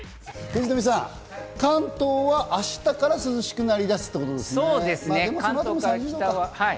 藤富さん、関東は明日から涼しくなりだすということですね。